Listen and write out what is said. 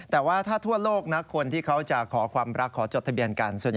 ถ้าทั่วโลกคนที่จะขอความรักกัน